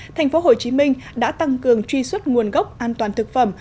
thành phố hồ chí minh đã tăng cường truy xuất nguồn gốc an toàn thực phẩm